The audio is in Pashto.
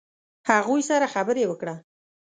هغوی سره خبرې وکړه.